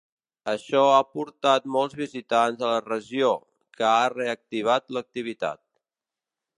Això ha portat molts visitants a la regió, que ha reactivat l'activitat.